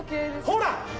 ほら！